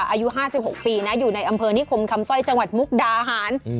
อายุ๕๖ปีนะอยู่ในอำเภอนิคมคำสร้อยจังหวัดมุกดาหาร